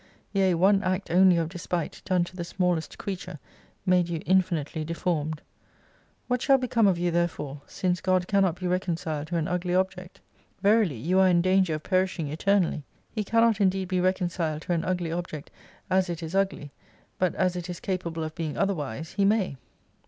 Yea, one act only of despite done to the smallest creature made you infinitely deformed. What shall become of you there fore since God cannot be reconciled to an ugly object ? Verily you are in danger of perishing eternally. He can not indeed be reconciled to an ugly object as it is ugly, but as it is capable of being otherwise He may.